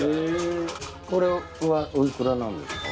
これはお幾らなんですか？